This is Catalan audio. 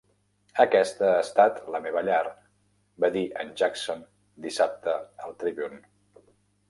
"Aquesta ha estat la meva llar", va dir en Jackson dissabte al "Tribune".